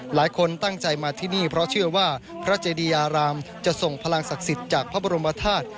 หลายคนตั้งใจมาที่นี่เพราะเชื่อว่าพระเจดีอารามจะส่งพลังศักดิ์สิทธิ์จากพระบรมธาตุ